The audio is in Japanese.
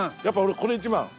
やっぱ俺これ一番。